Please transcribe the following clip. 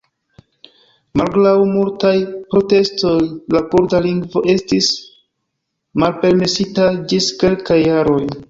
Malgraŭ multaj protestoj la kurda lingvo estis malpermesita ĝis kelkaj jaroj.